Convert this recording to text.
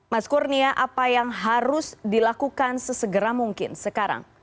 mas kurnia apa yang harus dilakukan sesegera mungkin sekarang